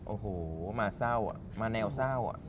โอ้โหมาเศร้าอ่ะมาแนวเศร้า